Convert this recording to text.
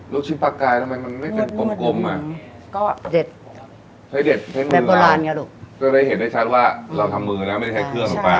และก็ได้เห็นได้ชัดว่าเราทำมือแล้วไม่ใช่แค่เครื่องเลยครับ